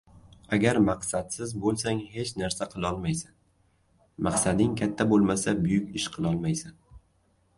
Agar maqsadsiz bo‘lsang hech narsa qilolmaysan, maqsading katta bo‘lmasa buyuk ish qilolmaysan.